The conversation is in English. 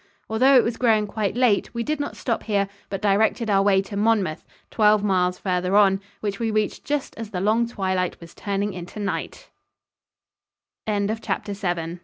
Although it was growing quite late, we did not stop here, but directed our way to Monmouth, twelve miles farther on, which we reached just as the long twilight was turning into ni